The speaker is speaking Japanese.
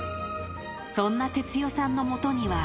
そんな哲代さんのもとには。